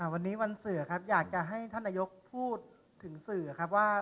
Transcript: วันนี้วันเสือครับอยากจะให้ท่านนายกพูดถึงสื่อครับว่า